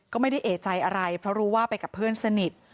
ก็ไม่ได้เอกใจอะไรเพราะรู้ว่าไปกับเพื่อนสนิท